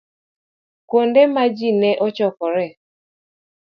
Kuonde ma ji ne chokoree